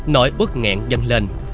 nói bước nghẹn dâng lên